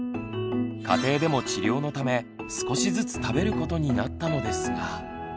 家庭でも治療のため少しずつ食べることになったのですが。